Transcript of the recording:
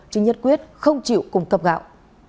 chứ nhất quyết không chịu cung cấp gạo